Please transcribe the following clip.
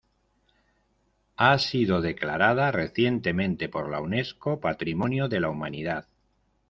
Ha sido declarada recientemente por la Unesco Patrimonio de la Humanidad.